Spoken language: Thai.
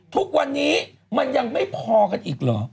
ทุกวันนี้มันยังไม่พอกันอีกเหรอ